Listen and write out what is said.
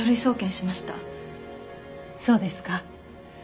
そうですか。